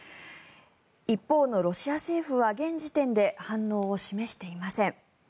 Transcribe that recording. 一方のロシア政府は現時点で反応を示していません。